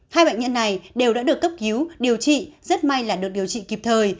hai bệnh nhân này đều đã được cấp cứu điều trị rất may là được điều trị kịp thời